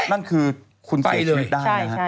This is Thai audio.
นั่นคือคุณเสร็จถึงได้